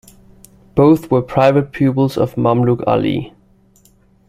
Both were private pupils of Mamluk Ali.